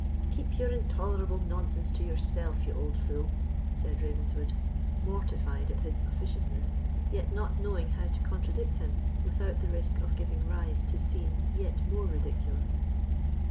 "Keep your intolerable nonsense to yourself, you old fool!" said Ravenswood, mortified at his officiousness, yet not knowing how to contradict him, without the risk of giving rise to scenes yet more ridiculous.